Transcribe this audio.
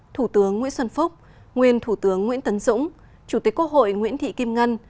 thủ tướng nguyễn xuân phúc nguyên thủ tướng nguyễn tấn dũng chủ tịch quốc hội nguyễn thị kim ngân